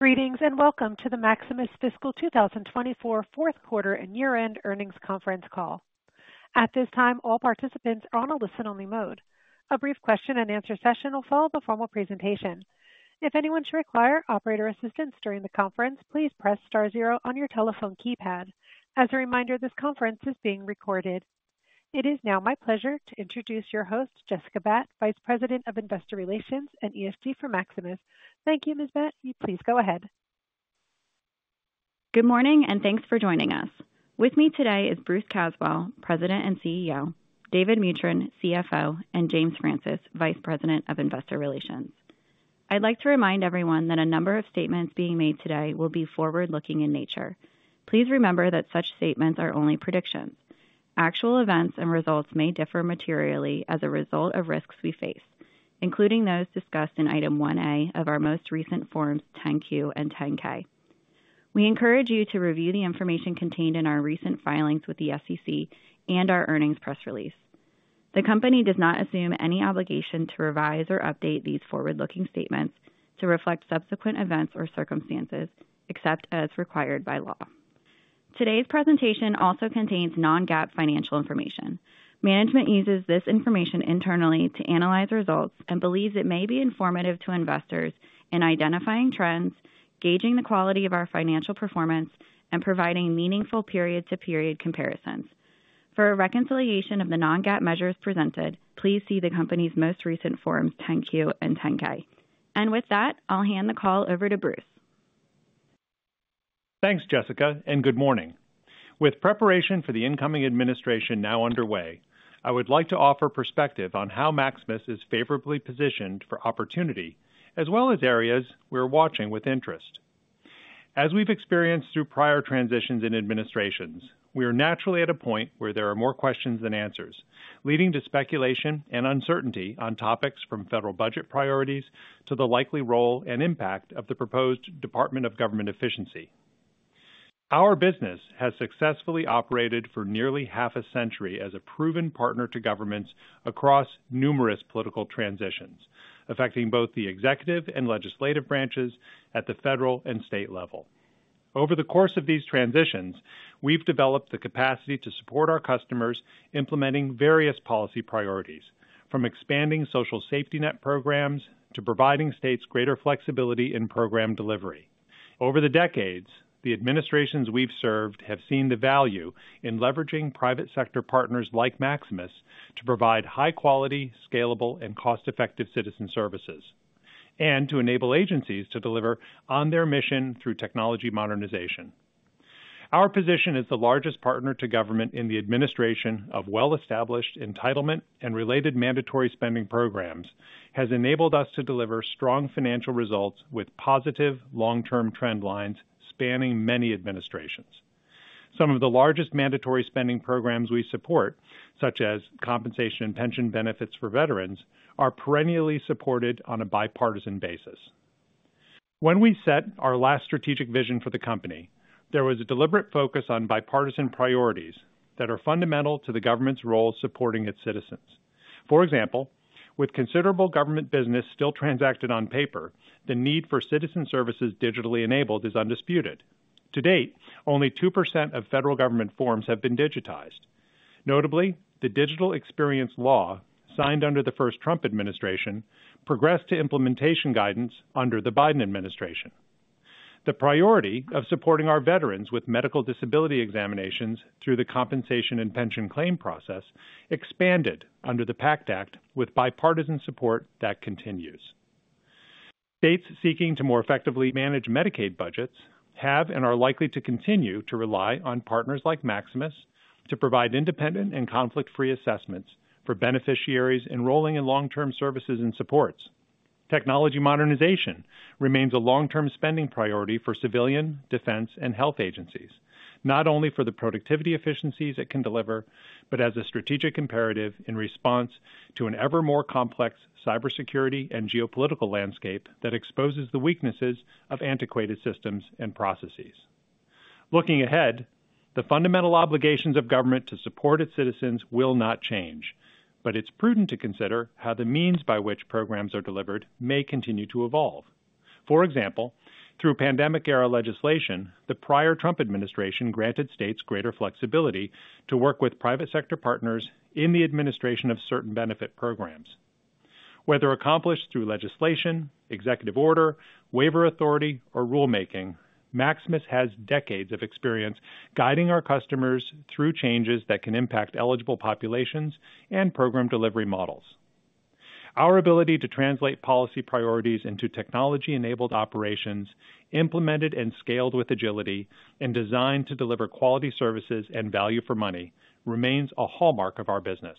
Greetings and welcome to the Maximus Fiscal 2024 Fourth Quarter and Year-End Earnings Conference call. At this time, all participants are on a listen-only mode. A brief question-and-answer session will follow the formal presentation. If anyone should require operator assistance during the conference, please press star zero on your telephone keypad. As a reminder, this conference is being recorded. It is now my pleasure to introduce your host, Jessica Batt, Vice President of Investor Relations and ESG for Maximus. Thank you, Ms. Batt. You please go ahead. Good morning and thanks for joining us. With me today is Bruce Caswell, President and CEO, David Mutryn, CFO, and James Francis, Vice President of Investor Relations. I'd like to remind everyone that a number of statements being made today will be forward-looking in nature. Please remember that such statements are only predictions. Actual events and results may differ materially as a result of risks we face, including those discussed in Item 1A of our most recent Forms 10-Q and 10-K. We encourage you to review the information contained in our recent filings with the SEC and our earnings press release. The company does not assume any obligation to revise or update these forward-looking statements to reflect subsequent events or circumstances, except as required by law. Today's presentation also contains non-GAAP financial information. Management uses this information internally to analyze results and believes it may be informative to investors in identifying trends, gauging the quality of our financial performance, and providing meaningful period-to-period comparisons. For a reconciliation of the non-GAAP measures presented, please see the company's most recent Forms 10-Q and 10-K. And with that, I'll hand the call over to Bruce. Thanks, Jessica, and good morning. With preparation for the incoming administration now underway, I would like to offer perspective on how Maximus is favorably positioned for opportunity, as well as areas we're watching with interest. As we've experienced through prior transitions in administrations, we are naturally at a point where there are more questions than answers, leading to speculation and uncertainty on topics from federal budget priorities to the likely role and impact of the proposed Department of Government Efficiency. Our business has successfully operated for nearly half a century as a proven partner to governments across numerous political transitions, affecting both the executive and legislative branches at the federal and state level. Over the course of these transitions, we've developed the capacity to support our customers implementing various policy priorities, from expanding social safety net programs to providing states greater flexibility in program delivery. Over the decades, the administrations we've served have seen the value in leveraging private sector partners like Maximus to provide high-quality, scalable, and cost-effective citizen services, and to enable agencies to deliver on their mission through technology modernization. Our position as the largest partner to government in the administration of well-established entitlement and related mandatory spending programs has enabled us to deliver strong financial results with positive long-term trend lines spanning many administrations. Some of the largest mandatory spending programs we support, such as compensation and pension benefits for veterans, are perennially supported on a bipartisan basis. When we set our last strategic vision for the company, there was a deliberate focus on bipartisan priorities that are fundamental to the government's role supporting its citizens. For example, with considerable government business still transacted on paper, the need for citizen services digitally enabled is undisputed. To date, only 2% of federal government forms have been digitized. Notably, the Digital Experience Law, signed under the first Trump administration, progressed to implementation guidance under the Biden administration. The priority of supporting our veterans with medical disability examinations through the compensation and pension claim process expanded under the PACT Act, with bipartisan support that continues. States seeking to more effectively manage Medicaid budgets have and are likely to continue to rely on partners like Maximus to provide independent and conflict-free assessments for beneficiaries enrolling in long-term services and supports. Technology modernization remains a long-term spending priority for civilian, defense, and health agencies, not only for the productivity efficiencies it can deliver, but as a strategic imperative in response to an ever more complex cybersecurity and geopolitical landscape that exposes the weaknesses of antiquated systems and processes. Looking ahead, the fundamental obligations of government to support its citizens will not change, but it's prudent to consider how the means by which programs are delivered may continue to evolve. For example, through pandemic-era legislation, the prior Trump administration granted states greater flexibility to work with private sector partners in the administration of certain benefit programs. Whether accomplished through legislation, executive order, waiver authority, or rulemaking, Maximus has decades of experience guiding our customers through changes that can impact eligible populations and program delivery models. Our ability to translate policy priorities into technology-enabled operations, implemented and scaled with agility, and designed to deliver quality services and value for money, remains a hallmark of our business.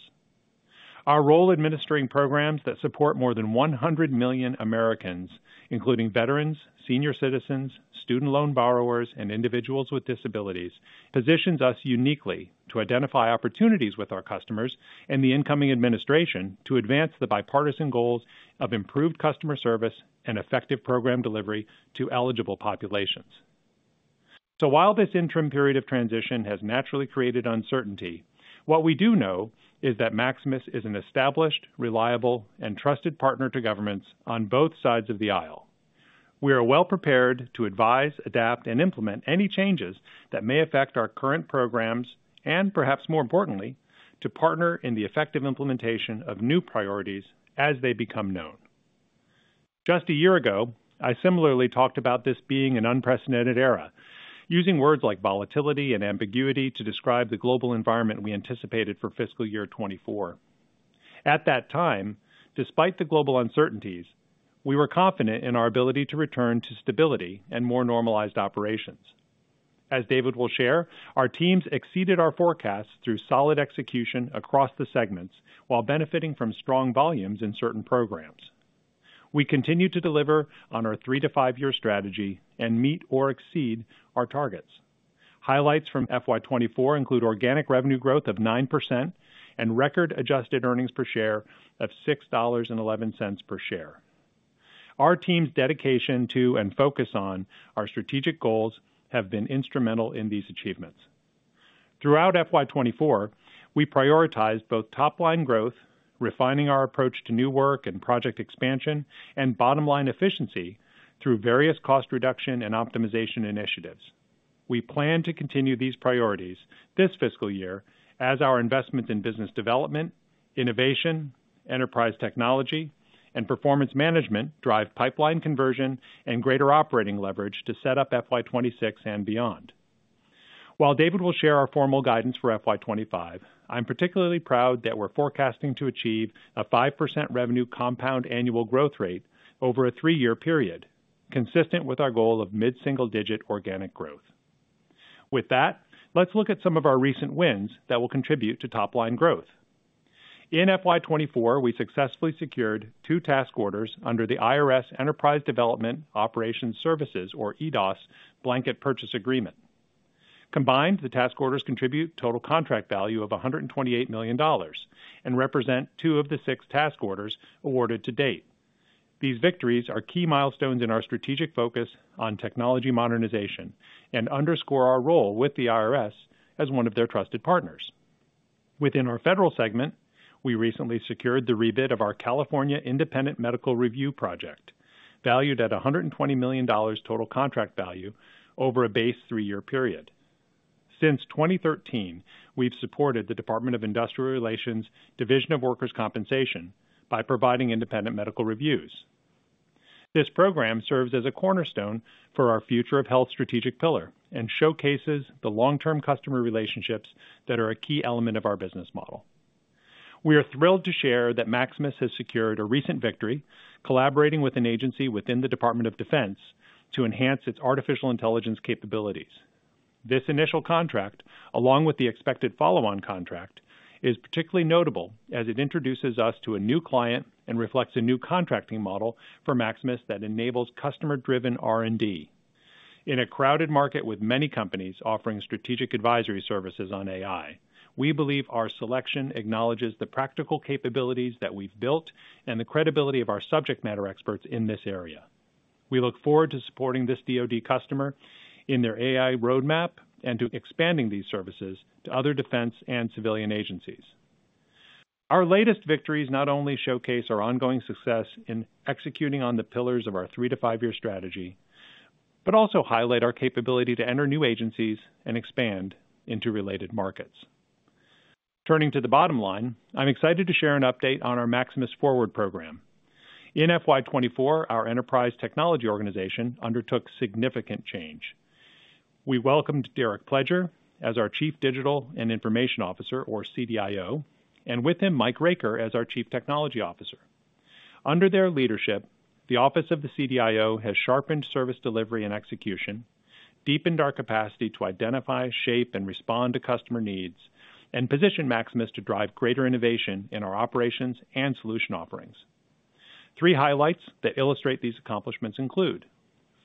Our role administering programs that support more than 100 million Americans, including veterans, senior citizens, student loan borrowers, and individuals with disabilities, positions us uniquely to identify opportunities with our customers and the incoming administration to advance the bipartisan goals of improved customer service and effective program delivery to eligible populations. So while this interim period of transition has naturally created uncertainty, what we do know is that Maximus is an established, reliable, and trusted partner to governments on both sides of the aisle. We are well prepared to advise, adapt, and implement any changes that may affect our current programs and, perhaps more importantly, to partner in the effective implementation of new priorities as they become known. Just a year ago, I similarly talked about this being an unprecedented era, using words like volatility and ambiguity to describe the global environment we anticipated for fiscal year 2024. At that time, despite the global uncertainties, we were confident in our ability to return to stability and more normalized operations. As David will share, our teams exceeded our forecasts through solid execution across the segments while benefiting from strong volumes in certain programs. We continue to deliver on our three-to-five-year strategy and meet or exceed our targets. Highlights from FY 2024 include organic revenue growth of 9% and record adjusted earnings per share of $6.11 per share. Our team's dedication to and focus on our strategic goals have been instrumental in these achievements. Throughout FY 2024, we prioritized both top-line growth, refining our approach to new work and project expansion, and bottom-line efficiency through various cost reduction and optimization initiatives. We plan to continue these priorities this fiscal year as our investments in business development, innovation, enterprise technology, and performance management drive pipeline conversion and greater operating leverage to set up FY 2026 and beyond. While David will share our formal guidance for FY 2025, I'm particularly proud that we're forecasting to achieve a 5% revenue compound annual growth rate over a three-year period, consistent with our goal of mid-single-digit organic growth. With that, let's look at some of our recent wins that will contribute to top-line growth. In FY 2024, we successfully secured two task orders under the IRS Enterprise Development Operations Services, or EDOS, blanket purchase agreement. Combined, the task orders contribute total contract value of $128 million and represent two of the six task orders awarded to date. These victories are key milestones in our strategic focus on technology modernization and underscore our role with the IRS as one of their trusted partners. Within our federal segment, we recently secured the rebid of our California Independent Medical Review project, valued at $120 million total contract value over a base three-year period. Since 2013, we've supported the Department of Industrial Relations' Division of Workers' Compensation by providing independent medical reviews. This program serves as a cornerstone for our Future of Health strategic pillar and showcases the long-term customer relationships that are a key element of our business model. We are thrilled to share that Maximus has secured a recent victory collaborating with an agency within the Department of Defense to enhance its artificial intelligence capabilities. This initial contract, along with the expected follow-on contract, is particularly notable as it introduces us to a new client and reflects a new contracting model for Maximus that enables customer-driven R&D. In a crowded market with many companies offering strategic advisory services on AI, we believe our selection acknowledges the practical capabilities that we've built and the credibility of our subject matter experts in this area. We look forward to supporting this DOD customer in their AI roadmap and to expanding these services to other defense and civilian agencies. Our latest victories not only showcase our ongoing success in executing on the pillars of our three-to-five-year strategy, but also highlight our capability to enter new agencies and expand into related markets. Turning to the bottom line, I'm excited to share an update on our Maximus Forward program. In FY 2024, our enterprise technology organization undertook significant change. We welcomed Derek Pledger as our Chief Digital and Information Officer, or CDIO, and with him, Mike Raker, as our Chief Technology Officer. Under their leadership, the Office of the CDIO has sharpened service delivery and execution, deepened our capacity to identify, shape, and respond to customer needs, and positioned Maximus to drive greater innovation in our operations and solution offerings. Three highlights that illustrate these accomplishments include: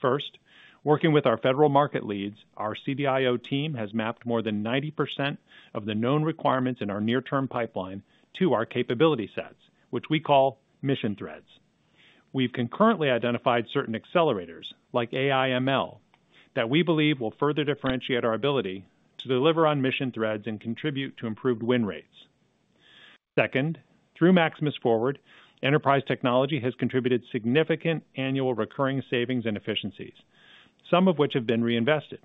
first, working with our federal market leads, our CDIO team has mapped more than 90% of the known requirements in our near-term pipeline to our capability sets, which we call mission threads. We've concurrently identified certain accelerators, like AI/ML, that we believe will further differentiate our ability to deliver on mission threads and contribute to improved win rates. Second, through Maximus Forward, enterprise technology has contributed significant annual recurring savings and efficiencies, some of which have been reinvested.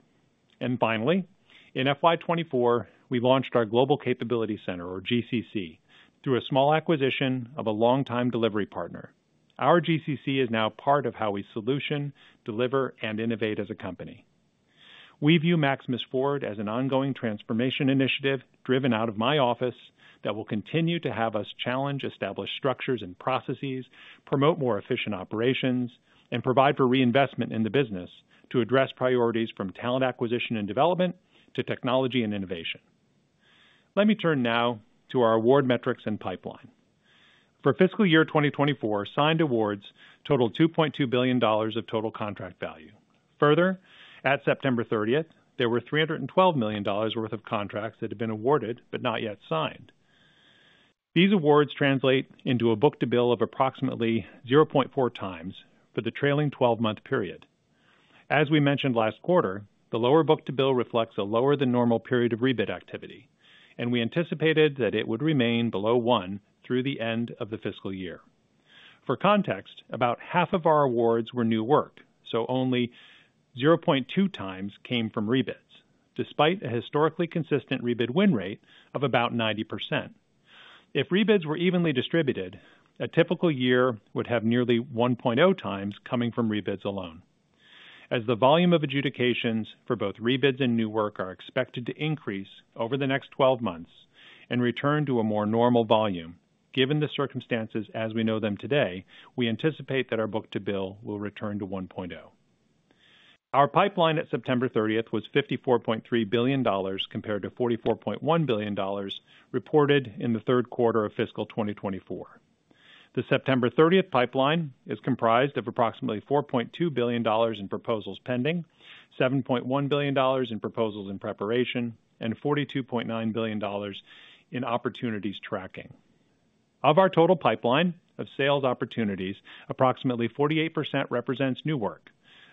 Finally, in FY 2024, we launched our Global Capability Center, or GCC, through a small acquisition of a long-time delivery partner. Our GCC is now part of how we solution, deliver, and innovate as a company. We view Maximus Forward as an ongoing transformation initiative driven out of my office that will continue to have us challenge established structures and processes, promote more efficient operations, and provide for reinvestment in the business to address priorities from talent acquisition and development to technology and innovation. Let me turn now to our award metrics and pipeline. For fiscal year 2024, signed awards totaled $2.2 billion of total contract value. Further, at September 30th, there were $312 million worth of contracts that had been awarded but not yet signed. These awards translate into a book-to-bill of approximately 0.4 times for the trailing 12-month period. As we mentioned last quarter, the lower book-to-bill reflects a lower-than-normal period of rebid activity, and we anticipated that it would remain below one through the end of the fiscal year. For context, about half of our awards were new work, so only 0.2 times came from rebids, despite a historically consistent rebid win rate of about 90%. If rebids were evenly distributed, a typical year would have nearly 1.0 times coming from rebids alone. As the volume of adjudications for both rebids and new work are expected to increase over the next 12 months and return to a more normal volume, given the circumstances as we know them today, we anticipate that our book-to-bill will return to 1.0. Our pipeline at September 30th was $54.3 billion compared to $44.1 billion reported in the third quarter of fiscal 2024. The September 30th pipeline is comprised of approximately $4.2 billion in proposals pending, $7.1 billion in proposals in preparation, and $42.9 billion in opportunities tracking. Of our total pipeline of sales opportunities, approximately 48% represents new work.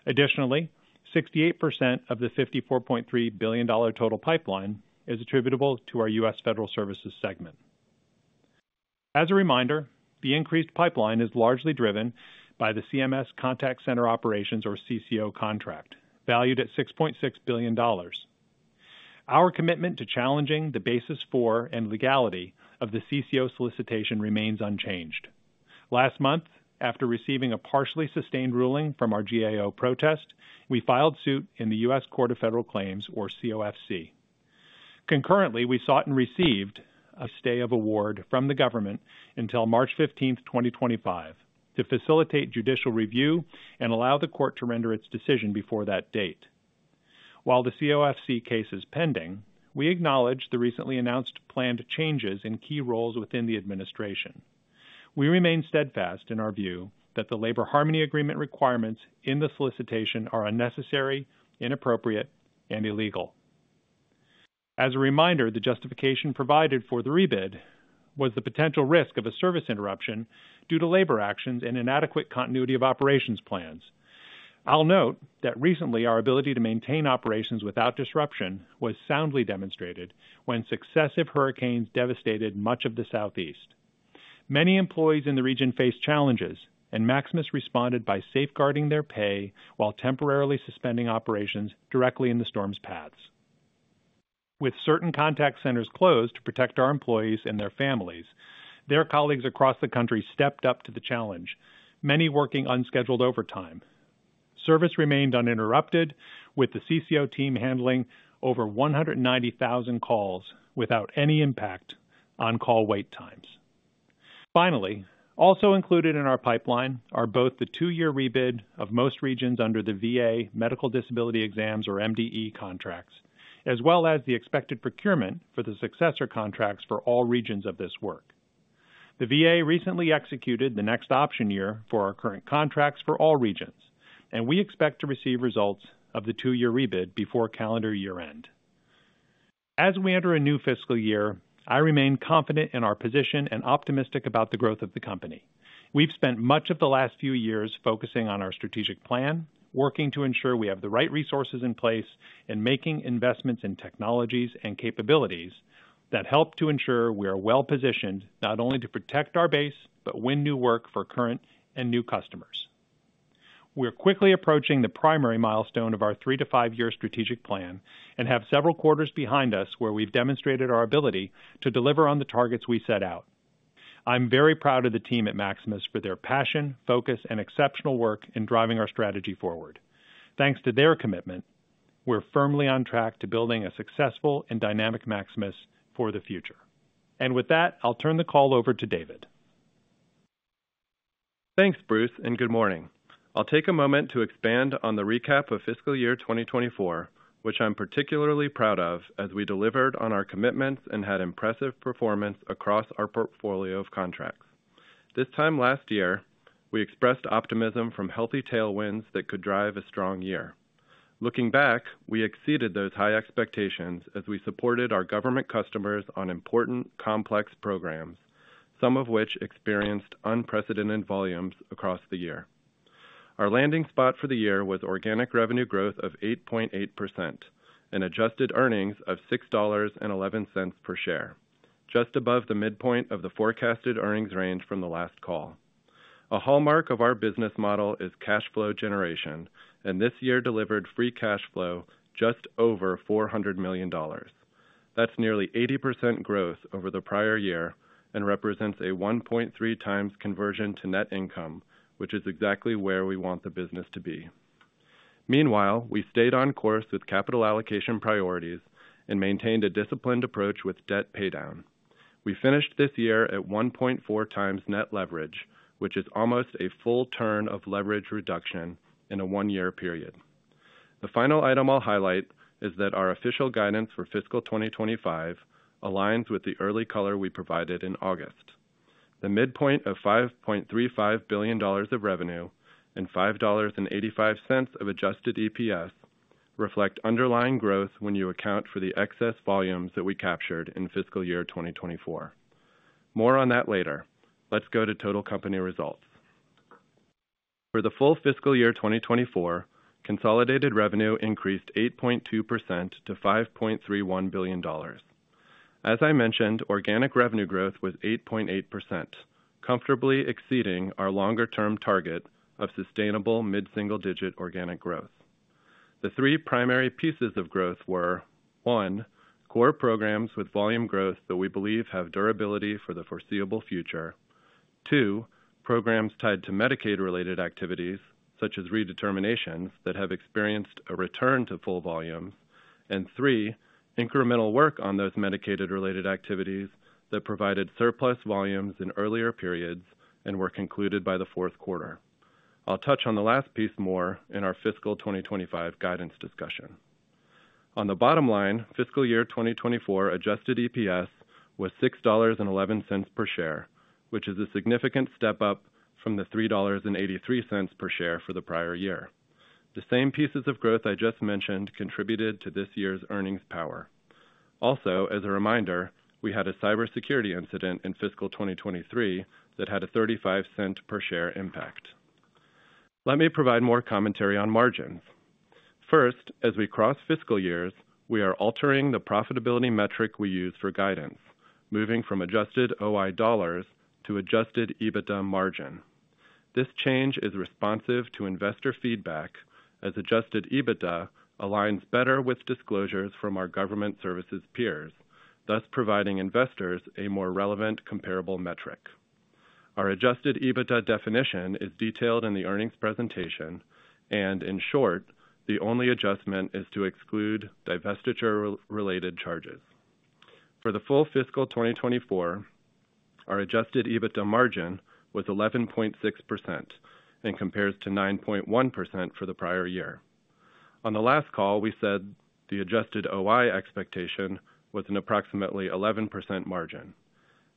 Additionally, 68% of the $54.3 billion total pipeline is attributable to our U.S. Federal Services segment. As a reminder, the increased pipeline is largely driven by the CMS Contact Center Operations, or CCO, contract valued at $6.6 billion. Our commitment to challenging the basis for and legality of the CCO solicitation remains unchanged. Last month, after receiving a partially sustained ruling from our GAO protest, we filed suit in the U.S. Court of Federal Claims, or COFC. Concurrently, we sought and received a stay of award from the government until March 15th, 2025, to facilitate judicial review and allow the court to render its decision before that date. While the COFC case is pending, we acknowledge the recently announced planned changes in key roles within the administration. We remain steadfast in our view that the Labor Harmony Agreement requirements in the solicitation are unnecessary, inappropriate, and illegal. As a reminder, the justification provided for the rebid was the potential risk of a service interruption due to labor actions and inadequate continuity of operations plans. I'll note that recently, our ability to maintain operations without disruption was soundly demonstrated when successive hurricanes devastated much of the Southeast. Many employees in the region faced challenges, and Maximus responded by safeguarding their pay while temporarily suspending operations directly in the storm's paths. With certain contact centers closed to protect our employees and their families, their colleagues across the country stepped up to the challenge, many working unscheduled overtime. Service remained uninterrupted, with the CCO team handling over 190,000 calls without any impact on call wait times. Finally, also included in our pipeline are both the two-year rebid of most regions under the VA medical disability exams, or MDE, contracts, as well as the expected procurement for the successor contracts for all regions of this work. The VA recently executed the next option year for our current contracts for all regions, and we expect to receive results of the two-year rebid before calendar year-end. As we enter a new fiscal year, I remain confident in our position and optimistic about the growth of the company. We've spent much of the last few years focusing on our strategic plan, working to ensure we have the right resources in place and making investments in technologies and capabilities that help to ensure we are well positioned not only to protect our base but win new work for current and new customers. We're quickly approaching the primary milestone of our three-to-five-year strategic plan and have several quarters behind us where we've demonstrated our ability to deliver on the targets we set out. I'm very proud of the team at Maximus for their passion, focus, and exceptional work in driving our strategy forward. Thanks to their commitment, we're firmly on track to building a successful and dynamic Maximus for the future. And with that, I'll turn the call over to David. Thanks, Bruce, and good morning. I'll take a moment to expand on the recap of fiscal year 2024, which I'm particularly proud of as we delivered on our commitments and had impressive performance across our portfolio of contracts. This time last year, we expressed optimism from healthy tailwinds that could drive a strong year. Looking back, we exceeded those high expectations as we supported our government customers on important complex programs, some of which experienced unprecedented volumes across the year. Our landing spot for the year was organic revenue growth of 8.8% and adjusted earnings of $6.11 per share, just above the midpoint of the forecasted earnings range from the last call. A hallmark of our business model is cash flow generation, and this year delivered free cash flow just over $400 million. That's nearly 80% growth over the prior year and represents a 1.3 times conversion to net income, which is exactly where we want the business to be. Meanwhile, we stayed on course with capital allocation priorities and maintained a disciplined approach with debt paydown. We finished this year at 1.4 times net leverage, which is almost a full turn of leverage reduction in a one-year period. The final item I'll highlight is that our official guidance for fiscal 2025 aligns with the early color we provided in August. The midpoint of $5.35 billion of revenue and $5.85 of Adjusted EPS reflects underlying growth when you account for the excess volumes that we captured in fiscal year 2024. More on that later. Let's go to total company results. For the full fiscal year 2024, consolidated revenue increased 8.2% to $5.31 billion. As I mentioned, organic revenue growth was 8.8%, comfortably exceeding our longer-term target of sustainable mid-single-digit organic growth. The three primary pieces of growth were: one, core programs with volume growth that we believe have durability for the foreseeable future, two, programs tied to Medicaid-related activities, such as redeterminations that have experienced a return to full volumes, and three, incremental work on those Medicaid-related activities that provided surplus volumes in earlier periods and were concluded by the fourth quarter. I'll touch on the last piece more in our fiscal 2025 guidance discussion. On the bottom line, fiscal year 2024 Adjusted EPS was $6.11 per share, which is a significant step up from the $3.83 per share for the prior year. The same pieces of growth I just mentioned contributed to this year's earnings power. Also, as a reminder, we had a cybersecurity incident in fiscal 2023 that had a $0.35 per share impact. Let me provide more commentary on margins. First, as we cross fiscal years, we are altering the profitability metric we use for guidance, moving from adjusted OI dollars to adjusted EBITDA margin. This change is responsive to investor feedback as adjusted EBITDA aligns better with disclosures from our government services peers, thus providing investors a more relevant comparable metric. Our adjusted EBITDA definition is detailed in the earnings presentation, and in short, the only adjustment is to exclude divestiture-related charges. For the full fiscal 2024, our adjusted EBITDA margin was 11.6% and compares to 9.1% for the prior year. On the last call, we said the adjusted OI expectation was an approximately 11% margin.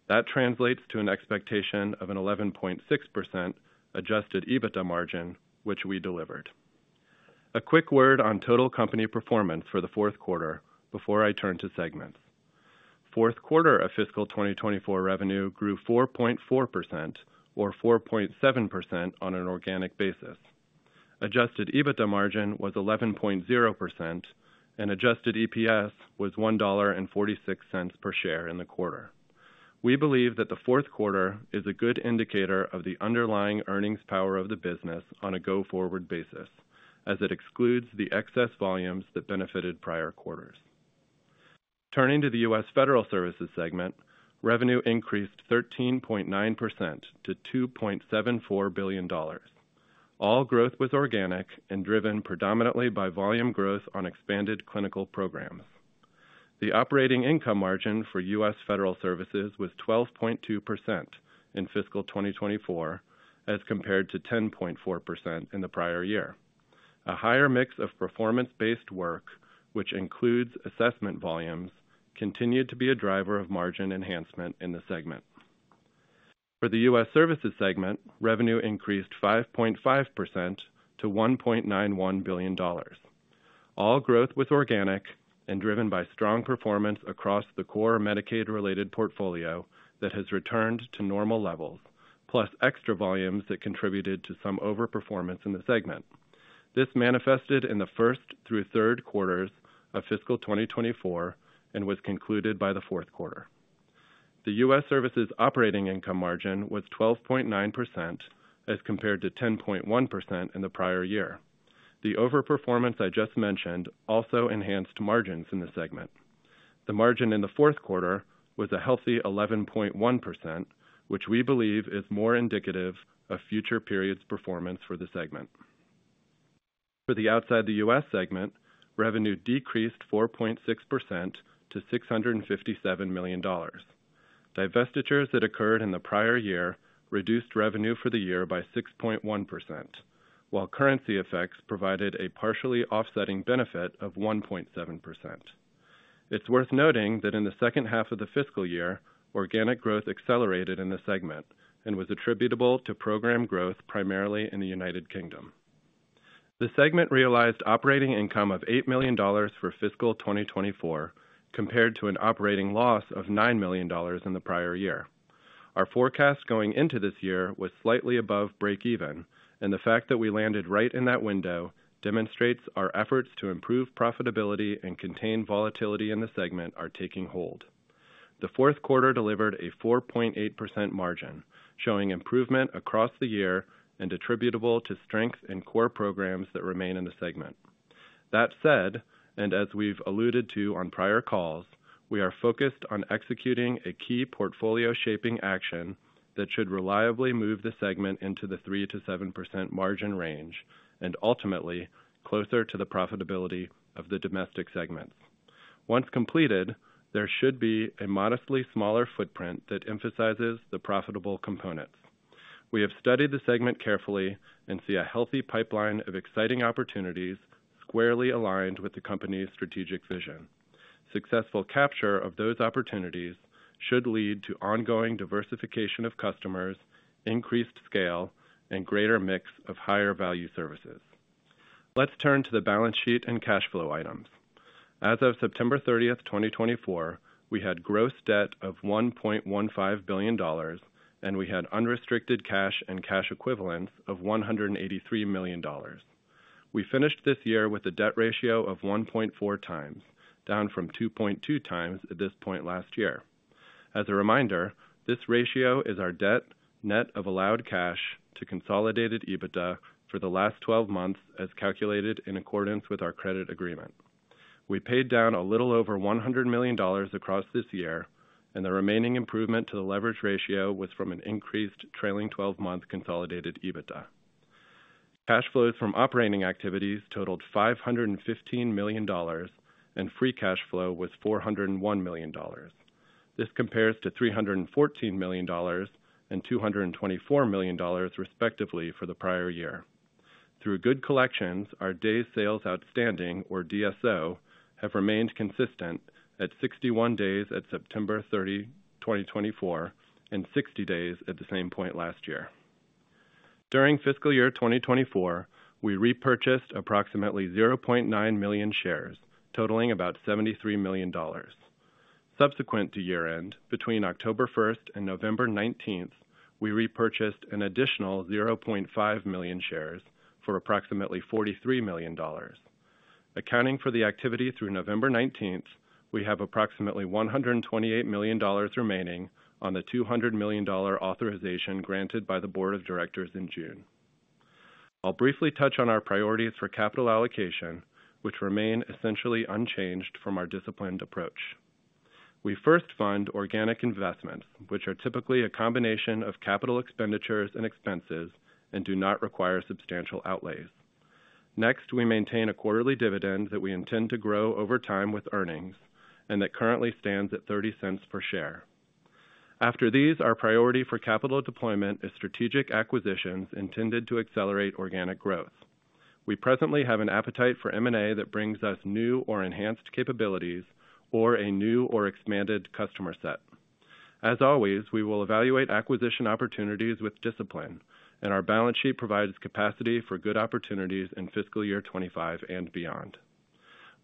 That translates to an expectation of an 11.6% adjusted EBITDA margin, which we delivered. A quick word on total company performance for the fourth quarter before I turn to segments. Fourth quarter of fiscal 2024 revenue grew 4.4%, or 4.7% on an organic basis. Adjusted EBITDA margin was 11.0%, and adjusted EPS was $1.46 per share in the quarter. We believe that the fourth quarter is a good indicator of the underlying earnings power of the business on a go-forward basis, as it excludes the excess volumes that benefited prior quarters. Turning to the U.S. Federal Services segment, revenue increased 13.9% to $2.74 billion. All growth was organic and driven predominantly by volume growth on expanded clinical programs. The operating income margin for U.S. Federal Services was 12.2% in fiscal 2024, as compared to 10.4% in the prior year. A higher mix of performance-based work, which includes assessment volumes, continued to be a driver of margin enhancement in the segment. For the U.S. Services segment, revenue increased 5.5% to $1.91 billion. All growth was organic and driven by strong performance across the core Medicaid-related portfolio that has returned to normal levels, plus extra volumes that contributed to some overperformance in the segment. This manifested in the first through third quarters of fiscal 2024 and was concluded by the fourth quarter. The U.S. Services operating income margin was 12.9%, as compared to 10.1% in the prior year. The overperformance I just mentioned also enhanced margins in the segment. The margin in the fourth quarter was a healthy 11.1%, which we believe is more indicative of future periods' performance for the segment. Outside the U.S. segment, revenue decreased 4.6% to $657 million. Divestitures that occurred in the prior year reduced revenue for the year by 6.1%, while currency effects provided a partially offsetting benefit of 1.7%. It's worth noting that in the second half of the fiscal year, organic growth accelerated in the segment and was attributable to program growth primarily in the United Kingdom. The segment realized operating income of $8 million for fiscal 2024, compared to an operating loss of $9 million in the prior year. Our forecast going into this year was slightly above breakeven, and the fact that we landed right in that window demonstrates our efforts to improve profitability and contain volatility in the segment are taking hold. The fourth quarter delivered a 4.8% margin, showing improvement across the year and attributable to strength in core programs that remain in the segment. That said, and as we've alluded to on prior calls, we are focused on executing a key portfolio-shaping action that should reliably move the segment into the 3%-7% margin range and ultimately closer to the profitability of the domestic segments. Once completed, there should be a modestly smaller footprint that emphasizes the profitable components. We have studied the segment carefully and see a healthy pipeline of exciting opportunities squarely aligned with the company's strategic vision. Successful capture of those opportunities should lead to ongoing diversification of customers, increased scale, and greater mix of higher-value services. Let's turn to the balance sheet and cash flow items. As of September 30th, 2024, we had gross debt of $1.15 billion, and we had unrestricted cash and cash equivalents of $183 million. We finished this year with a debt ratio of 1.4 times, down from 2.2 times at this point last year. As a reminder, this ratio is our debt net of allowed cash to consolidated EBITDA for the last 12 months, as calculated in accordance with our credit agreement. We paid down a little over $100 million across this year, and the remaining improvement to the leverage ratio was from an increased trailing 12-month consolidated EBITDA. Cash flows from operating activities totaled $515 million, and free cash flow was $401 million. This compares to $314 million and $224 million, respectively, for the prior year. Through good collections, our Days Sales Outstanding, or DSO, have remained consistent at 61 days at September 30, 2024, and 60 days at the same point last year. During fiscal year 2024, we repurchased approximately 0.9 million shares, totaling about $73 million. Subsequent to year-end, between October 1st and November 19th, we repurchased an additional 0.5 million shares for approximately $43 million. Accounting for the activity through November 19th, we have approximately $128 million remaining on the $200 million authorization granted by the Board of Directors in June. I'll briefly touch on our priorities for capital allocation, which remain essentially unchanged from our disciplined approach. We first fund organic investments, which are typically a combination of capital expenditures and expenses and do not require substantial outlays. Next, we maintain a quarterly dividend that we intend to grow over time with earnings and that currently stands at $0.30 per share. After these, our priority for capital deployment is strategic acquisitions intended to accelerate organic growth. We presently have an appetite for M&A that brings us new or enhanced capabilities or a new or expanded customer set. As always, we will evaluate acquisition opportunities with discipline, and our balance sheet provides capacity for good opportunities in fiscal year 2025 and beyond.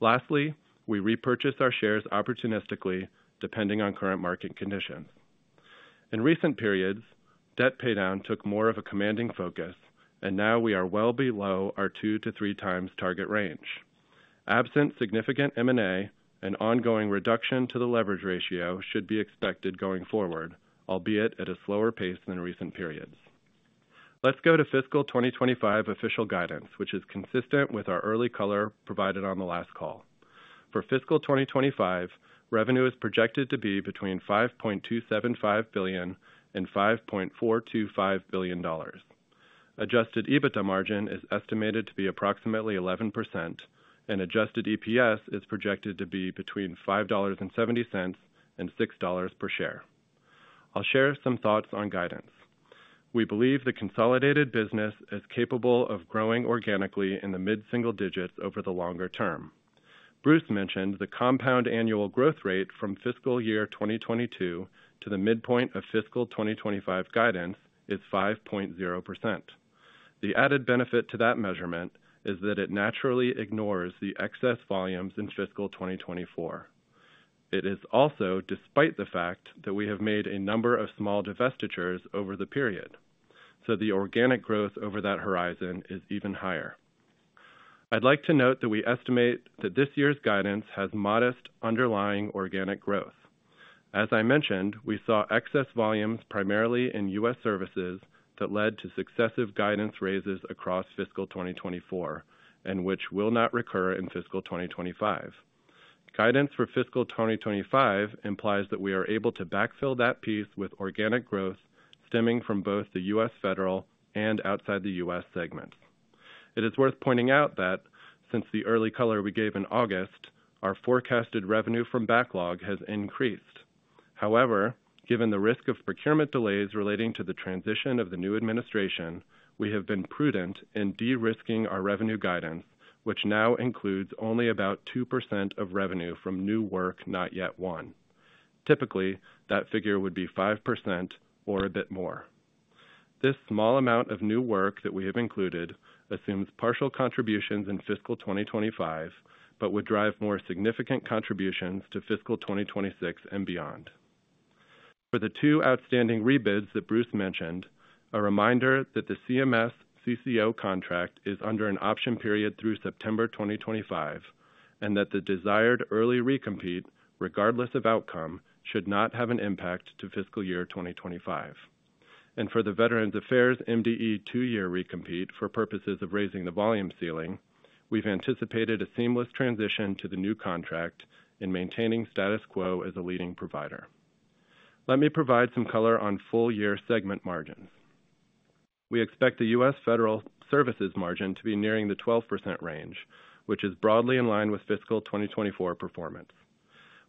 Lastly, we repurchase our shares opportunistically, depending on current market conditions. In recent periods, debt paydown took more of a commanding focus, and now we are well below our two to three times target range. Absent significant M&A, an ongoing reduction to the leverage ratio should be expected going forward, albeit at a slower pace than recent periods. Let's go to fiscal 2025 official guidance, which is consistent with our early color provided on the last call. For fiscal 2025, revenue is projected to be between $5.275 billion and $5.425 billion. Adjusted EBITDA margin is estimated to be approximately 11%, and adjusted EPS is projected to be between $5.70 and $6 per share. I'll share some thoughts on guidance. We believe the consolidated business is capable of growing organically in the mid-single digits over the longer term. Bruce mentioned the compound annual growth rate from Fiscal Year 2022 to the midpoint of Fiscal 2025 guidance is 5.0%. The added benefit to that measurement is that it naturally ignores the excess volumes in Fiscal 2024. It is also despite the fact that we have made a number of small divestitures over the period, so the organic growth over that horizon is even higher. I'd like to note that we estimate that this year's guidance has modest underlying organic growth. As I mentioned, we saw excess volumes primarily in U.S. Services that led to successive guidance raises across Fiscal 2024, and which will not recur in Fiscal 2025. Guidance for Fiscal 2025 implies that we are able to backfill that piece with organic growth stemming from both the U.S. andOutside the U.S. segments. It is worth pointing out that, since the early color we gave in August, our forecasted revenue from backlog has increased. However, given the risk of procurement delays relating to the transition of the new administration, we have been prudent in de-risking our revenue guidance, which now includes only about 2% of revenue from new work not yet won. Typically, that figure would be 5% or a bit more. This small amount of new work that we have included assumes partial contributions in fiscal 2025, but would drive more significant contributions to fiscal 2026 and beyond. For the two outstanding rebids that Bruce mentioned, a reminder that the CMS CCO contract is under an option period through September 2025, and that the desired early recompete, regardless of outcome, should not have an impact to fiscal year 2025. For the Veterans Affairs MDE two-year recompete for purposes of raising the volume ceiling, we've anticipated a seamless transition to the new contract and maintaining status quo as a leading provider. Let me provide some color on full-year segment margins. We expect the U.S. Federal Services margin to be nearing the 12% range, which is broadly in line with fiscal 2024 performance.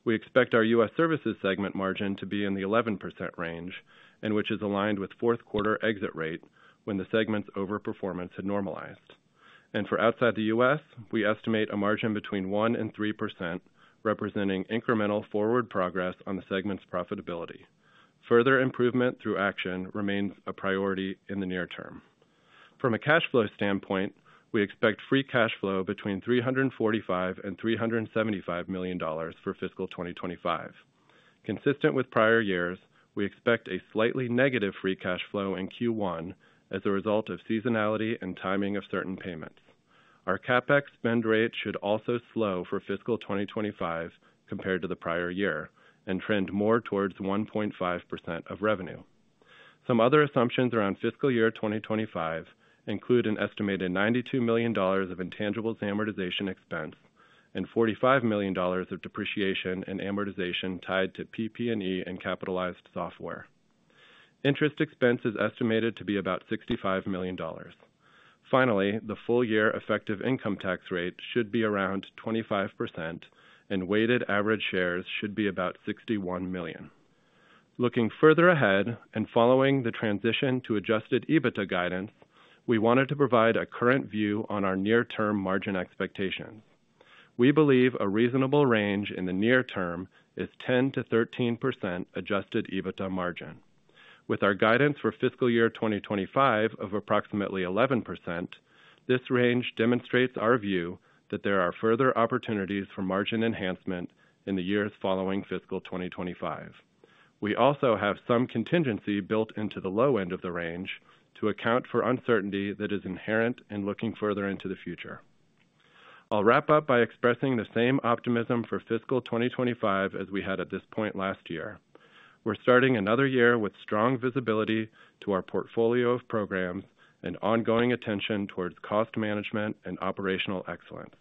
We expect our U.S. Services segment margin to be in the 11% range, and which is aligned with fourth quarter exit rate when the segment's overperformance hadOutside the U.S., we estimate a margin between 1% and 3%, representing incremental forward progress on the segment's profitability. Further improvement through action remains a priority in the near term. From a cash flow standpoint, we expect free cash flow between $345 million and $375 million for fiscal 2025. Consistent with prior years, we expect a slightly negative free cash flow in Q1 as a result of seasonality and timing of certain payments. Our CapEx spend rate should also slow for fiscal 2025 compared to the prior year and trend more towards 1.5% of revenue. Some other assumptions around fiscal year 2025 include an estimated $92 million of intangible amortization expense and $45 million of depreciation and amortization tied to PP&E and capitalized software. Interest expense is estimated to be about $65 million. Finally, the full-year effective income tax rate should be around 25%, and weighted average shares should be about 61 million. Looking further ahead and following the transition to Adjusted EBITDA guidance, we wanted to provide a current view on our near-term margin expectations. We believe a reasonable range in the near term is 10%-13% Adjusted EBITDA margin. With our guidance for fiscal year 2025 of approximately 11%, this range demonstrates our view that there are further opportunities for margin enhancement in the years following fiscal 2025. We also have some contingency built into the low end of the range to account for uncertainty that is inherent in looking further into the future. I'll wrap up by expressing the same optimism for fiscal 2025 as we had at this point last year. We're starting another year with strong visibility to our portfolio of programs and ongoing attention towards cost management and operational excellence.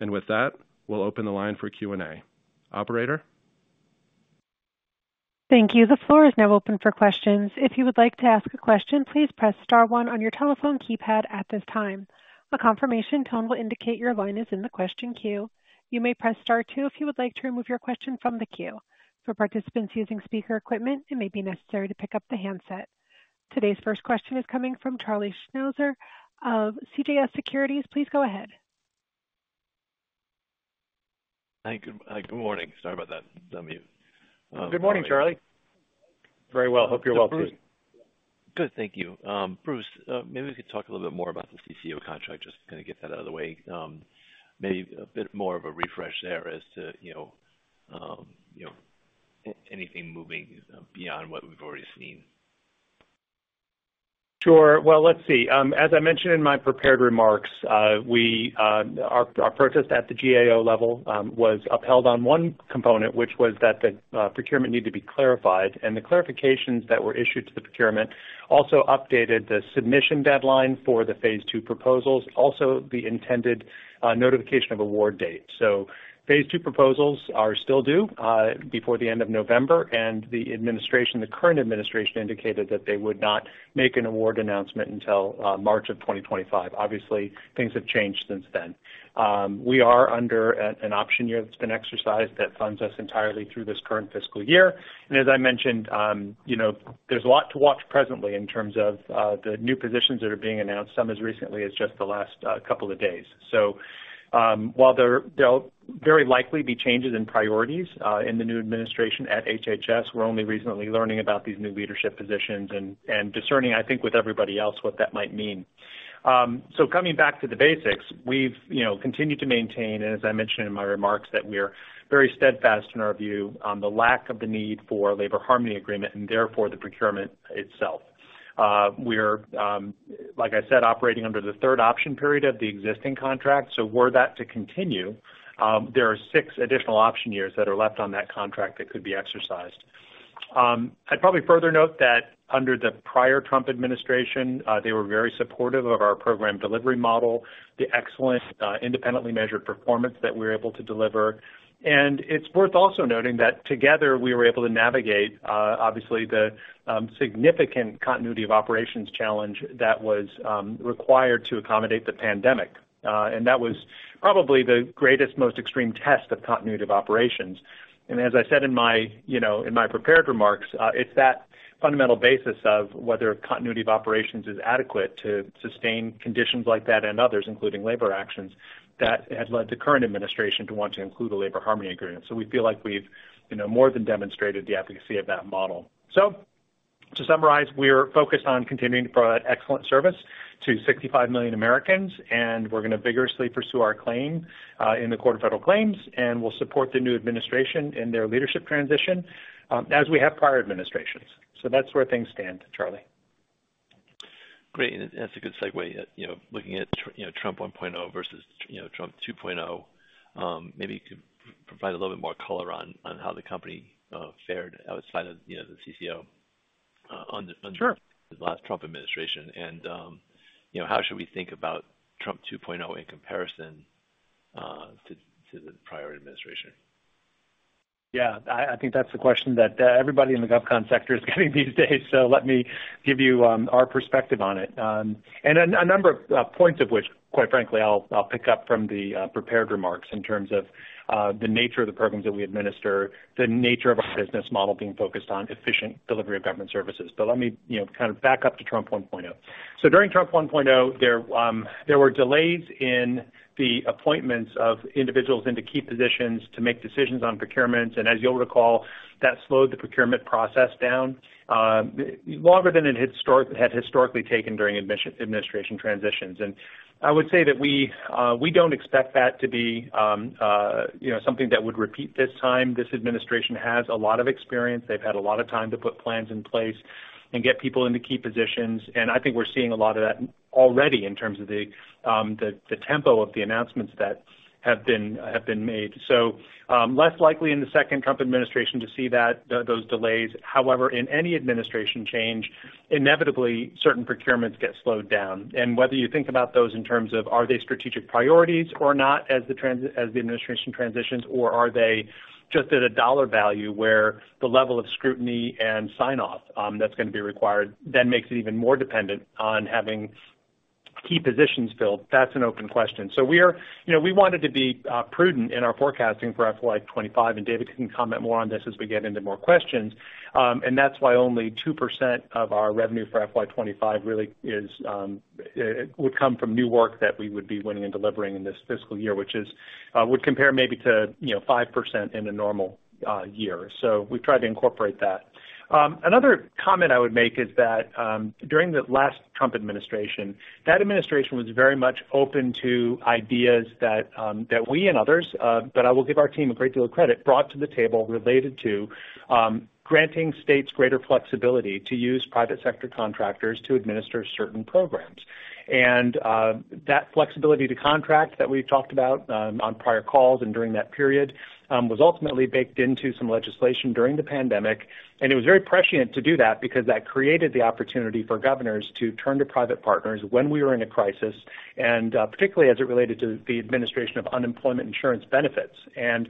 And with that, we'll open the line for Q&A. Operator? Thank you. The floor is now open for questions. If you would like to ask a question, please press star one on your telephone keypad at this time. A confirmation tone will indicate your line is in the question queue. You may press star two if you would like to remove your question from the queue. For participants using speaker equipment, it may be necessary to pick up the handset. Today's first question is coming from Charlie Strauzer of CJS Securities. Please go ahead. Thank you. Good morning. Sorry about that. Good morning, Charlie. Very well. Hope you're well, too. Good. Thank you. Bruce, maybe we could talk a little bit more about the CCO contract, just to kind of get that out of the way. Maybe a bit more of a refresh there as to anything moving beyond what we've already seen. Sure. Well, let's see. As I mentioned in my prepared remarks, our protest at the GAO level was upheld on one component, which was that the procurement needed to be clarified. And the clarifications that were issued to the procurement also updated the submission deadline for the phase two proposals, also the intended notification of award date. So phase two proposals are still due before the end of November, and the current administration indicated that they would not make an award announcement until March of 2025. Obviously, things have changed since then. We are under an option year that's been exercised that funds us entirely through this current fiscal year. And as I mentioned, there's a lot to watch presently in terms of the new positions that are being announced, some as recently as just the last couple of days. So while there'll very likely be changes in priorities in the new administration at HHS, we're only recently learning about these new leadership positions and discerning, I think, with everybody else what that might mean. So coming back to the basics, we've continued to maintain, and as I mentioned in my remarks, that we're very steadfast in our view on the lack of the need for a Labor Harmony Agreement and therefore the procurement itself. We're, like I said, operating under the third option period of the existing contract. So were that to continue, there are six additional option years that are left on that contract that could be exercised. I'd probably further note that under the prior Trump administration, they were very supportive of our program delivery model, the excellent independently measured performance that we were able to deliver. And it's worth also noting that together we were able to navigate, obviously, the significant Continuity of Operations challenge that was required to accommodate the pandemic. And that was probably the greatest, most extreme test of Continuity of Operations. As I said in my prepared remarks, it's that fundamental basis of whether Continuity of Operations is adequate to sustain conditions like that and others, including labor actions, that has led the current administration to want to include a Labor Harmony Agreement. So we feel like we've more than demonstrated the efficacy of that model. So to summarize, we're focused on continuing to provide excellent service to 65 million Americans, and we're going to vigorously pursue our claim in the U.S. Court of Federal Claims, and we'll support the new administration in their leadership transition as we have prior administrations. So that's where things stand, Charlie. Great. That's a good segue. Looking at Trump 1.0 versus Trump 2.0, maybe you could provide a little bit more color on how the company fared outside of the CCO under the last Trump administration. How should we think about Trump 2.0 in comparison to the prior administration? Yeah. I think that's the question that everybody in the govcon sector is getting these days. Let me give you our perspective on it. A number of points of which, quite frankly, I'll pick up from the prepared remarks in terms of the nature of the programs that we administer, the nature of our business model being focused on efficient delivery of government services. Let me kind of back up to Trump 1.0. During Trump 1.0, there were delays in the appointments of individuals into key positions to make decisions on procurement. As you'll recall, that slowed the procurement process down longer than it had historically taken during administration transitions. I would say that we don't expect that to be something that would repeat this time. This administration has a lot of experience. They've had a lot of time to put plans in place and get people into key positions. And I think we're seeing a lot of that already in terms of the tempo of the announcements that have been made. So less likely in the second Trump administration to see those delays. However, in any administration change, inevitably, certain procurements get slowed down. And whether you think about those in terms of are they strategic priorities or not as the administration transitions, or are they just at a dollar value where the level of scrutiny and sign-off that's going to be required then makes it even more dependent on having key positions filled, that's an open question. So we wanted to be prudent in our forecasting for FY25. And David can comment more on this as we get into more questions. And that's why only 2% of our revenue for FY25 really would come from new work that we would be winning and delivering in this fiscal year, which would compare maybe to 5% in a normal year. So we've tried to incorporate that. Another comment I would make is that during the last Trump administration, that administration was very much open to ideas that we and others, but I will give our team a great deal of credit, brought to the table related to granting states greater flexibility to use private sector contractors to administer certain programs. And that flexibility to contract that we've talked about on prior calls and during that period was ultimately baked into some legislation during the pandemic. And it was very prescient to do that because that created the opportunity for governors to turn to private partners when we were in a crisis, and particularly as it related to the administration of unemployment insurance benefits. And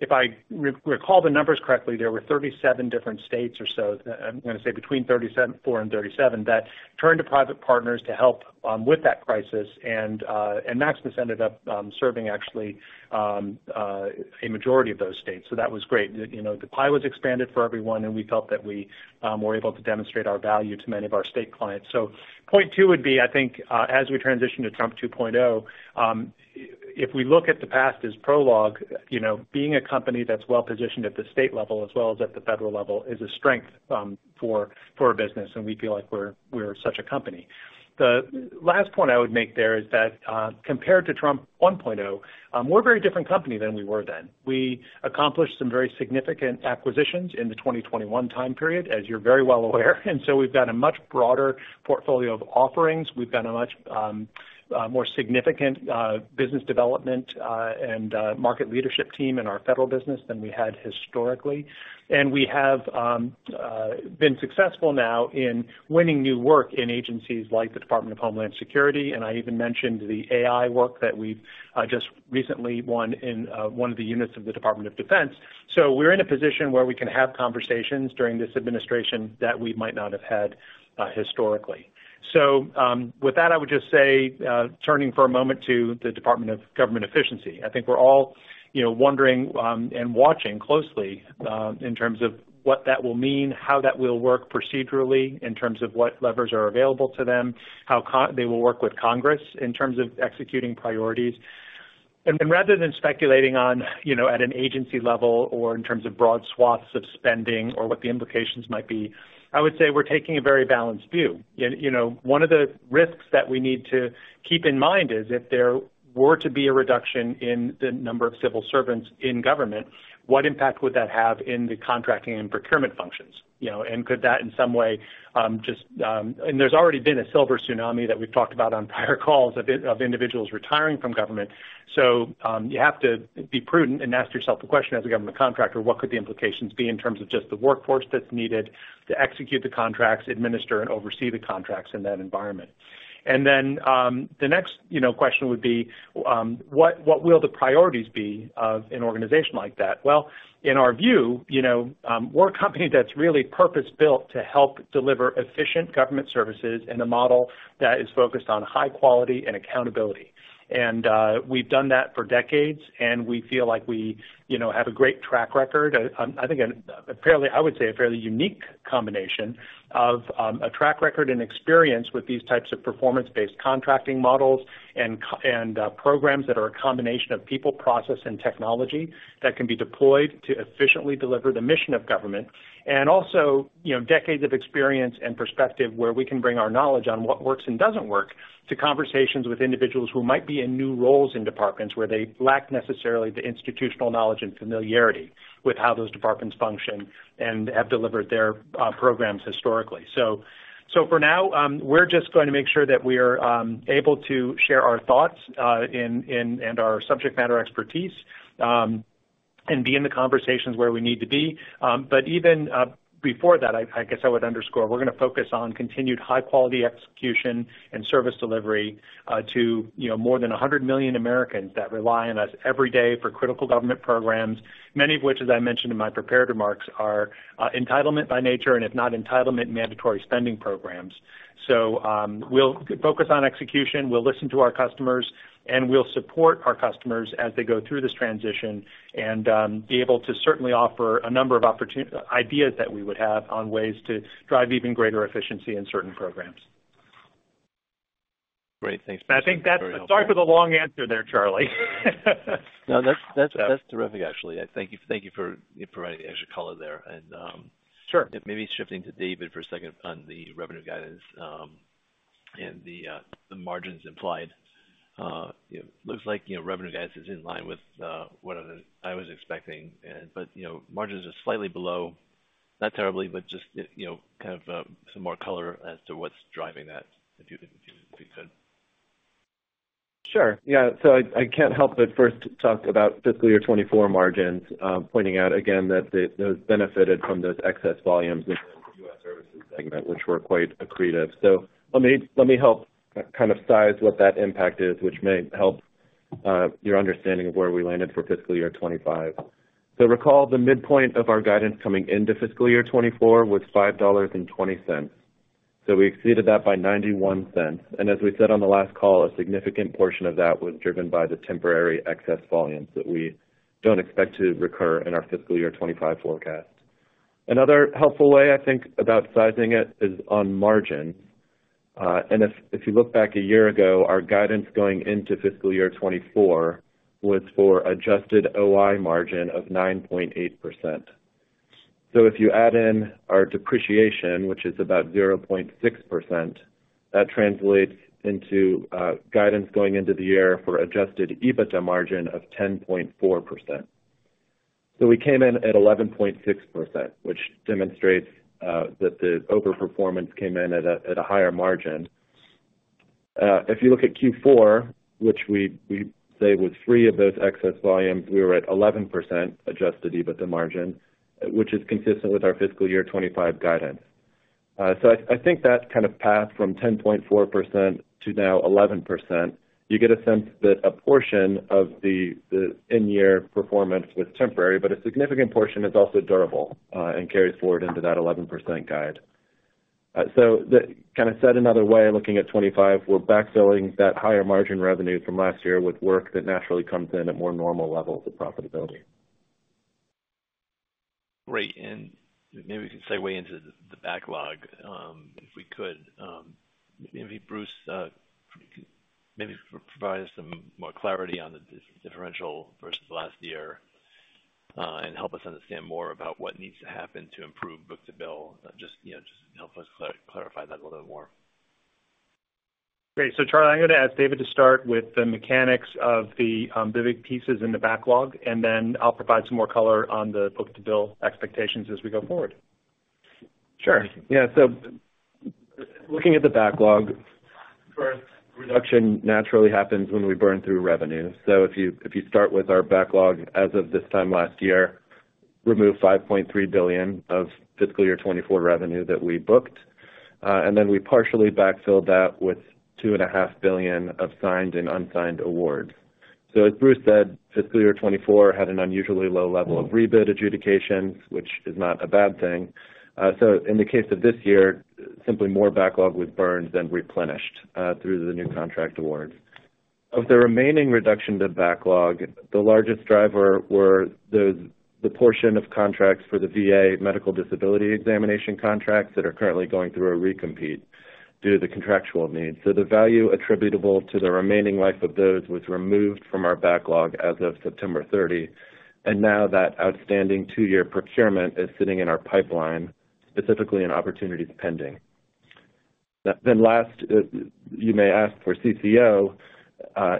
if I recall the numbers correctly, there were 37 different states or so. I'm going to say between 34 and 37 that turned to private partners to help with that crisis. And Maximus ended up serving actually a majority of those states. So that was great. The pie was expanded for everyone, and we felt that we were able to demonstrate our value to many of our state clients. So point two would be, I think, as we transition to Trump 2.0, if we look at the past as prologue, being a company that's well-positioned at the state level as well as at the federal level is a strength for our business, and we feel like we're such a company. The last point I would make there is that compared to Trump 1.0, we're a very different company than we were then. We accomplished some very significant acquisitions in the 2021 time period, as you're very well aware. And so we've got a much broader portfolio of offerings. We've got a much more significant business development and market leadership team in our federal business than we had historically. And we have been successful now in winning new work in agencies like the Department of Homeland Security. I even mentioned the AI work that we've just recently won in one of the units of the Department of Defense. So we're in a position where we can have conversations during this administration that we might not have had historically. So with that, I would just say, turning for a moment to the Department of Government Efficiency. I think we're all wondering and watching closely in terms of what that will mean, how that will work procedurally in terms of what levers are available to them, how they will work with Congress in terms of executing priorities. And rather than speculating at an agency level or in terms of broad swaths of spending or what the implications might be, I would say we're taking a very balanced view. One of the risks that we need to keep in mind is if there were to be a reduction in the number of civil servants in government, what impact would that have in the contracting and procurement functions? And could that in some way just, and there's already been a silver tsunami that we've talked about on prior calls of individuals retiring from government. So you have to be prudent and ask yourself the question as a government contractor, what could the implications be in terms of just the workforce that's needed to execute the contracts, administer, and oversee the contracts in that environment? And then the next question would be, what will the priorities be of an organization like that? Well, in our view, we're a company that's really purpose-built to help deliver efficient government services in a model that is focused on high quality and accountability. And we've done that for decades, and we feel like we have a great track record. I think, apparently, I would say a fairly unique combination of a track record and experience with these types of performance-based contracting models and programs that are a combination of people, process, and technology that can be deployed to efficiently deliver the mission of government. And also decades of experience and perspective where we can bring our knowledge on what works and doesn't work to conversations with individuals who might be in new roles in departments where they lack necessarily the institutional knowledge and familiarity with how those departments function and have delivered their programs historically. So for now, we're just going to make sure that we are able to share our thoughts and our subject matter expertise and be in the conversations where we need to be. But even before that, I guess I would underscore, we're going to focus on continued high-quality execution and service delivery to more than 100 million Americans that rely on us every day for critical government programs, many of which, as I mentioned in my prepared remarks, are entitlement by nature and, if not entitlement, mandatory spending programs. So we'll focus on execution, we'll listen to our customers, and we'll support our customers as they go through this transition and be able to certainly offer a number of ideas that we would have on ways to drive even greater efficiency in certain programs. Great. Thanks. I think that's, sorry for the long answer there, Charlie. No, that's terrific, actually. Thank you for providing the extra color there. And maybe shifting to David for a second on the revenue guidance and the margins implied. It looks like revenue guidance is in line with what I was expecting. But margins are slightly below, not terribly, but just kind of some more color as to what's driving that, if you could. Sure. Yeah. So I can't help but first talk about fiscal year 2024 margins, pointing out again that those benefited from those excess volumes in the U.S. Services segment, which were quite accretive. So let me help kind of size what that impact is, which may help your understanding of where we landed for fiscal year 2025. So recall the midpoint of our guidance coming into fiscal year 2024 was $5.20. So we exceeded that by $0.91. And as we said on the last call, a significant portion of that was driven by the temporary excess volumes that we don't expect to recur in our fiscal year 2025 forecast. Another helpful way, I think, about sizing it is on margins. And if you look back a year ago, our guidance going into fiscal year 2024 was for adjusted OI margin of 9.8%. So if you add in our depreciation, which is about 0.6%, that translates into guidance going into the year for adjusted EBITDA margin of 10.4%. So we came in at 11.6%, which demonstrates that the overperformance came in at a higher margin. If you look at Q4, which we say was free of those excess volumes, we were at 11% adjusted EBITDA margin, which is consistent with our fiscal year 2025 guidance. So I think that kind of path from 10.4% to now 11%, you get a sense that a portion of the in-year performance was temporary, but a significant portion is also durable and carries forward into that 11% guide. So kind of said another way, looking at 2025, we're backfilling that higher margin revenue from last year with work that naturally comes in at more normal levels of profitability. Great. And maybe we can segue into the backlog, if we could. Maybe Bruce can maybe provide us some more clarity on the differential versus last year and help us understand more about what needs to happen to improve book-to-bill. Just help us clarify that a little bit more. Great. So, Charlie, I'm going to ask David to start with the mechanics of the big pieces in the backlog, and then I'll provide some more color on the book-to-bill expectations as we go forward. Sure. Yeah. So looking at the backlog, reduction naturally happens when we burn through revenue. If you start with our backlog as of this time last year, remove $5.3 billion of fiscal year 2024 revenue that we booked. Then we partially backfilled that with $2.5 billion of signed and unsigned awards. As Bruce said, fiscal year 2024 had an unusually low level of rebid adjudications, which is not a bad thing. In the case of this year, simply more backlog was burned than replenished through the new contract awards. Of the remaining reduction to backlog, the largest driver were the portion of contracts for the VA Medical Disability Examination contracts that are currently going through a recompete due to the contractual needs. The value attributable to the remaining life of those was removed from our backlog as of September 30. Now that outstanding two-year procurement is sitting in our pipeline, specifically in opportunities pending. Then last, you may ask for CCO.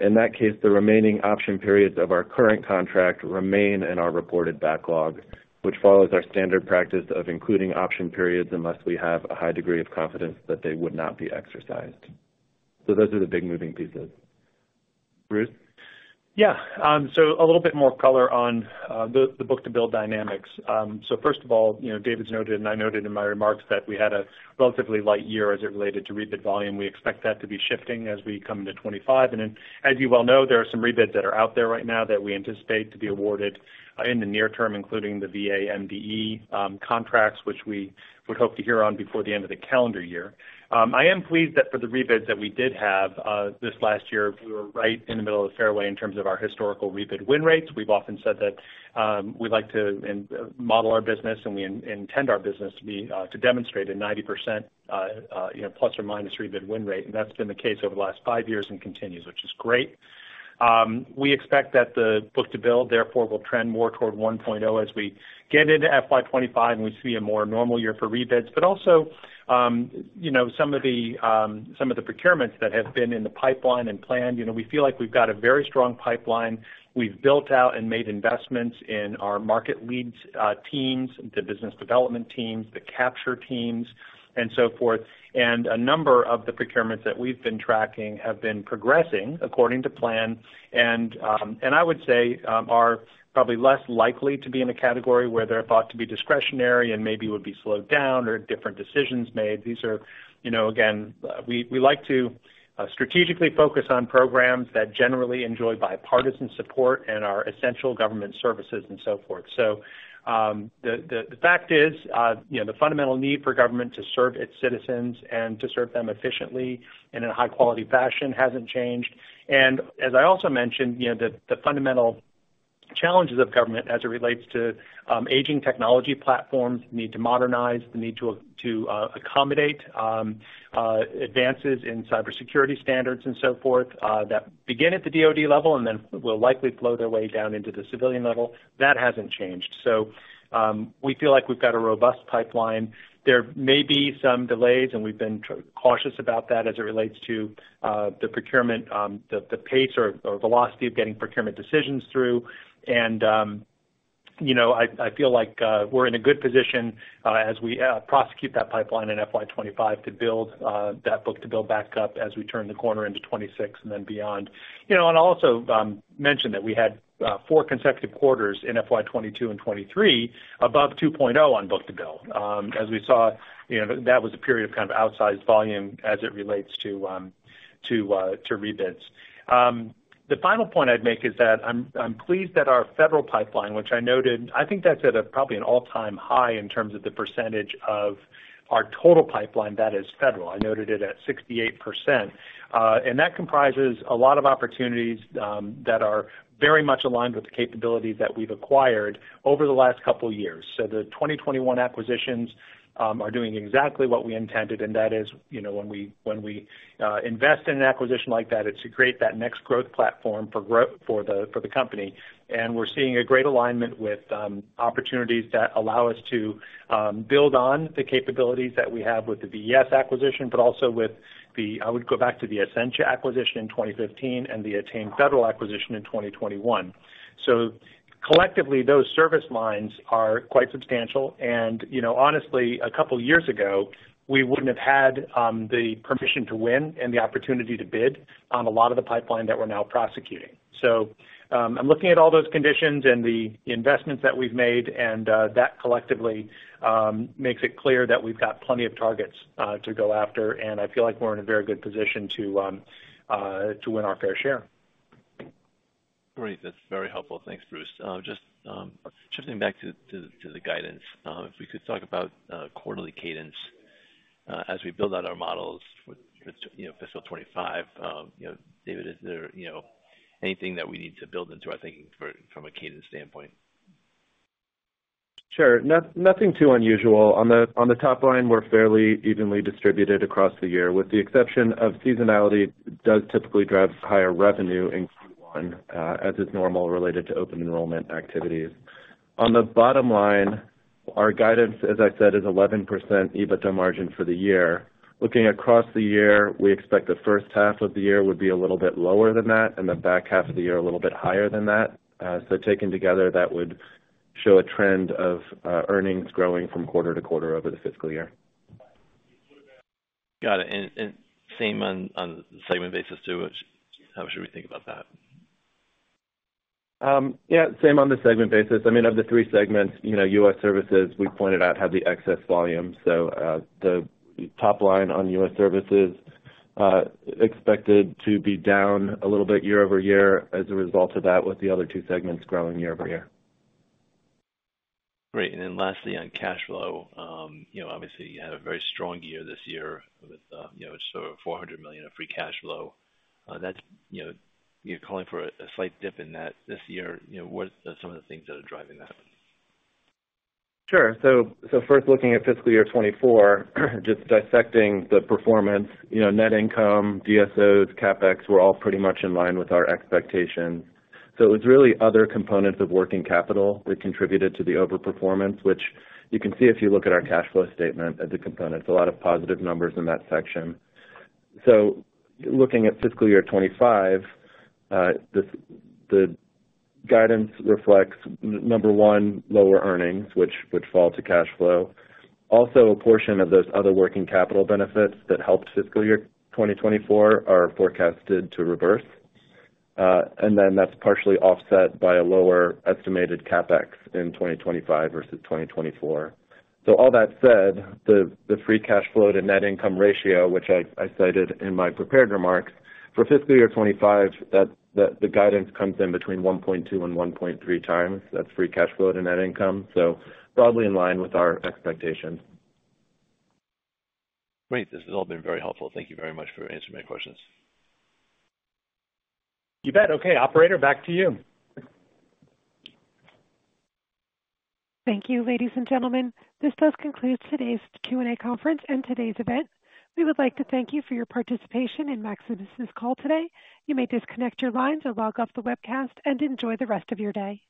In that case, the remaining option periods of our current contract remain in our reported backlog, which follows our standard practice of including option periods unless we have a high degree of confidence that they would not be exercised. So those are the big moving pieces. Bruce? Yeah. So a little bit more color on the book-to-bill dynamics. So first of all, David's noted, and I noted in my remarks that we had a relatively light year as it related to rebid volume. We expect that to be shifting as we come into 2025. And as you well know, there are some rebids that are out there right now that we anticipate to be awarded in the near term, including the VA MDE contracts, which we would hope to hear on before the end of the calendar year. I am pleased that for the rebids that we did have this last year, we were right in the middle of the fairway in terms of our historical rebid win rates. We've often said that we like to model our business, and we intend our business to demonstrate a 90% plus or minus rebid win rate, and that's been the case over the last five years and continues, which is great. We expect that the book-to-bill, therefore, will trend more toward 1.0 as we get into FY25 and we see a more normal year for rebids, but also some of the procurements that have been in the pipeline and planned, we feel like we've got a very strong pipeline. We've built out and made investments in our market leads teams, the business development teams, the capture teams, and so forth. A number of the procurements that we've been tracking have been progressing according to plan. I would say they are probably less likely to be in a category where they're thought to be discretionary and maybe would be slowed down or different decisions made. These are, again, we like to strategically focus on programs that generally enjoy bipartisan support and are essential government services and so forth. The fact is the fundamental need for government to serve its citizens and to serve them efficiently and in a high-quality fashion hasn't changed. As I also mentioned, the fundamental challenges of government as it relates to aging technology platforms, the need to modernize, the need to accommodate advances in cybersecurity standards and so forth that begin at the DOD level and then will likely flow their way down into the civilian level, that hasn't changed. So we feel like we've got a robust pipeline. There may be some delays, and we've been cautious about that as it relates to the procurement, the pace or velocity of getting procurement decisions through. And I feel like we're in a good position as we prosecute that pipeline in FY25 to build that book-to-bill backup as we turn the corner into 2026 and then beyond. And I'll also mention that we had four consecutive quarters in FY22 and 2023 above 2.0 on book-to-bill. As we saw, that was a period of kind of outsized volume as it relates to rebids. The final point I'd make is that I'm pleased that our federal pipeline, which I noted, I think that's at probably an all-time high in terms of the percentage of our total pipeline that is federal. I noted it at 68%. That comprises a lot of opportunities that are very much aligned with the capabilities that we've acquired over the last couple of years. So the 2021 acquisitions are doing exactly what we intended. And that is when we invest in an acquisition like that, it's to create that next growth platform for the company. And we're seeing a great alignment with opportunities that allow us to build on the capabilities that we have with the VES acquisition, but also with the, I would go back to the Acentia acquisition in 2015 and the Attain Federal acquisition in 2021. So collectively, those service lines are quite substantial. And honestly, a couple of years ago, we wouldn't have had the permission to win and the opportunity to bid on a lot of the pipeline that we're now prosecuting. I'm looking at all those conditions and the investments that we've made, and that collectively makes it clear that we've got plenty of targets to go after. And I feel like we're in a very good position to win our fair share. Great. That's very helpful. Thanks, Bruce. Just shifting back to the guidance, if we could talk about quarterly cadence as we build out our models for fiscal 2025. David, is there anything that we need to build into our thinking from a cadence standpoint? Sure. Nothing too unusual. On the top line, we're fairly evenly distributed across the year, with the exception of seasonality does typically drive higher revenue in Q1, as is normal related to open enrollment activities. On the bottom line, our guidance, as I said, is 11% EBITDA margin for the year. Looking across the year, we expect the first half of the year would be a little bit lower than that, and the back half of the year a little bit higher than that. So taken together, that would show a trend of earnings growing from quarter to quarter over the fiscal year. Got it. And same on the segment basis too. How should we think about that? Yeah. Same on the segment basis. I mean, of the three segments, U.S. services, we pointed out, have the excess volume. So the top line on U.S. services expected to be down a little bit year over year as a result of that, with the other two segments growing year over year. Great. And then lastly, on cash flow, obviously, you had a very strong year this year with just over $400 million of free cash flow. You're calling for a slight dip in that. This year, what are some of the things that are driving that? Sure. So first, looking at fiscal year 2024, just dissecting the performance, net income, DSOs, CapEx, were all pretty much in line with our expectations. So it was really other components of working capital that contributed to the overperformance, which you can see if you look at our cash flow statement as a component. It's a lot of positive numbers in that section. So looking at fiscal year 2025, the guidance reflects, number one, lower earnings, which fall to cash flow. Also, a portion of those other working capital benefits that helped fiscal year 2024 are forecasted to reverse. And then that's partially offset by a lower estimated CapEx in 2025 versus 2024. So all that said, the free cash flow to net income ratio, which I cited in my prepared remarks, for fiscal year 2025, the guidance comes in between 1.2 and 1.3 times. That's free cash flow to net income. So broadly in line with our expectations. Great. This has all been very helpful. Thank you very much for answering my questions. You bet. Okay. Operator, back to you. Thank you, ladies and gentlemen. This does conclude today's Q&A conference and today's event. We would like to thank you for your participation in Maximus's call today. You may disconnect your lines or log off the webcast and enjoy the rest of your day.